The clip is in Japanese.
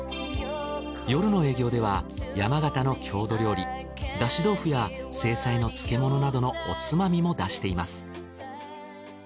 夜の営業では山形の郷土料理だし豆腐や青菜の漬物などのおつまみも出しています。